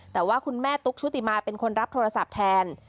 แต่ว่าคุณแม่ตุ๊กชุติมาเป็นคนรับโทรศัพท์แทน